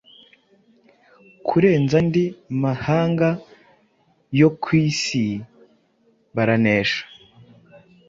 kurenza andi mahanga yo ku isi baranesha.